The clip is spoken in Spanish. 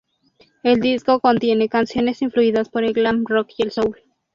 El disco contiene canciones influidas por el glam rock y el soul.